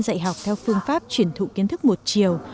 dạy học theo phương pháp chuyển thụ kiến thức một chiều